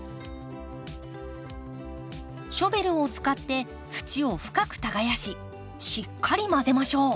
ショベルを使って土を深く耕ししっかり混ぜましょう。